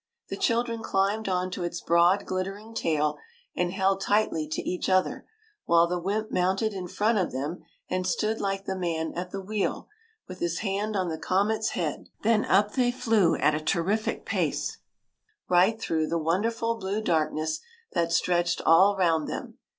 The children climbed on to its broad glittering tail and held tightly to each other, while the wymp mounted in front of them and stood like the man at the wheel, with his hand on the comet's head ; then up they flew at a terrific pace, right through the won derful blue darkness that stretched all round them.